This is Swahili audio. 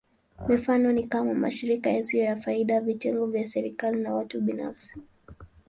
Mifano ni kama: mashirika yasiyo ya faida, vitengo vya kiserikali, na watu binafsi.